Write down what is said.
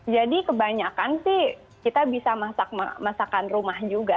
jadi kebanyakan sih kita bisa masak masakan rumah juga